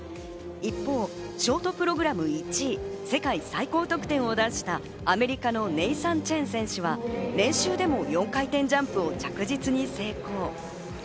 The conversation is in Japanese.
一方、ショートプログラム１位、世界最高得点を出したアメリカのネイサン・チェン選手は練習でも４回転ジャンプを着実に成功。